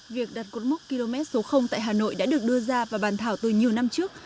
việc đặt cột mốc km số tại hà nội đã được đưa ra và bàn thảo từ nhiều năm trước